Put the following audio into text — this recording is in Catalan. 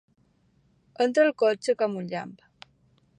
Entra al cotxe com un llamp.